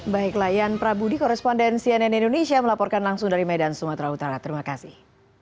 baiklah ian prabudi korespondensi nn indonesia melaporkan langsung dari medan sumatera utara terima kasih